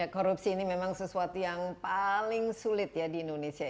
korupsi ini memang sesuatu yang paling sulit ya di indonesia